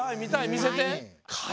見せて！